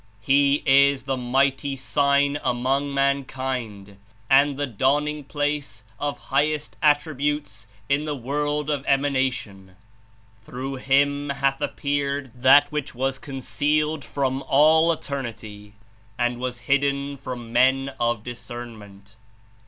He is the Mighty Sign among mankind and the Dawn Ing place of Highest Attributes In the world of eman 86 atlon. Through Him hath appeared that which was concealed from all eternity and was hidden from men of discernment.